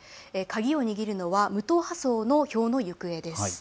鍵を握るのは無党派層の票の行方です。